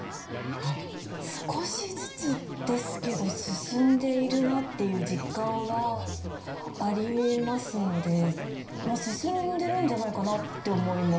少しずつですけど進んでいるなっていう実感はありますので進んでるんじゃないかなって思います。